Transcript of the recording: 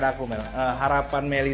yang mungkin melihat benar lagi